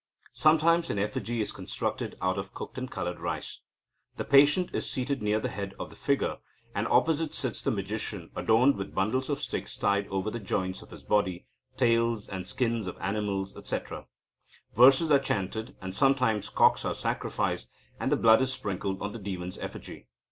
Sometimes an effigy is constructed out of cooked and coloured rice. The patient is seated near the head of the figure, and opposite sits the magician adorned with bundles of sticks tied over the joints of his body, tails, and skins of animals, etc. Verses are chanted, and sometimes cocks are sacrificed, and the blood is sprinkled on the demon's effigy.